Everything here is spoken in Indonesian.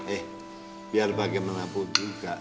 eh biar bagaimana pun juga